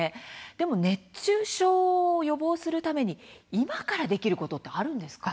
でも、熱中症を予防するために今からできることってあるんですか？